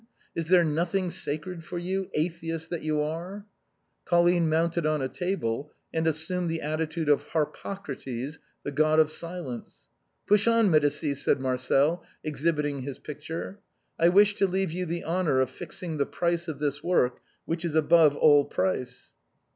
Is there nothing sacred for you, atheist that you are ?" Colline mounted on a table and assumed the attitude of Harpocrates, the God of Silence. 202 THE BOHEMIANS OF THE LATIN QUARTER. " Push on, Medicis," said Marcel, exhibiting his picture :" I wish to leave you the honor of fixing the price of this work, which is above all price."